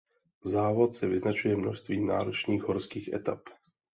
Závod se vyznačuje množstvím náročných horských etap.